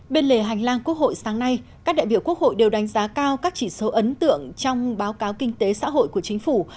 bên lề hành lang quốc hội sáng nay các đại biểu quốc hội đều đánh giá cao các chỉ số ấn tượng trong báo cáo kinh tế xã hội của chính phủ